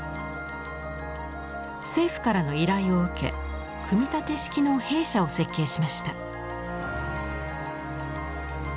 政府からの依頼を受け組み立て式の兵舎を設計しました。